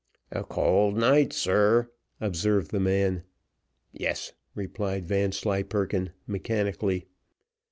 "A cold night, sir," observed the man. "Yes," replied Vanslyperken, mechanically.